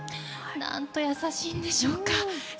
何と優しいんでしょうか。